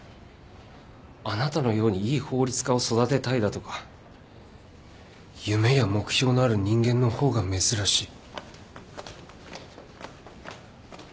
あなたのようにいい法律家を育てたいだとか夢や目標のある人間の方が珍しい。